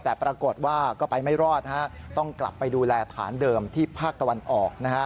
แต่ปรากฏว่าก็ไปไม่รอดฮะต้องกลับไปดูแลฐานเดิมที่ภาคตะวันออกนะฮะ